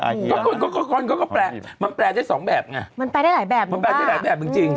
อ่ะเฮียก็ก็ก็ก็ก็ก็แปลมันแปลได้สองแบบไงมันแปลได้หลายแบบมันแปลได้หลายแบบจริงจริง